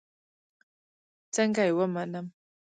څنگه يې ومنم.